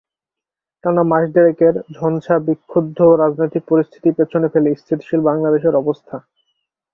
টানা মাস দেড়েকের ঝঞ্ঝাবিক্ষুব্ধ রাজনৈতিক পরিস্থিতি পেছনে ফেলে স্থিতিশীল বাংলাদেশের অবস্থা।